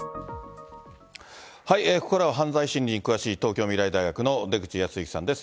ここからは犯罪心理に詳しい東京未来大学の出口保行さんです。